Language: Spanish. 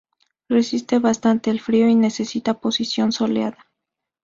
Resiste bastante el frío, y necesita posición soleada.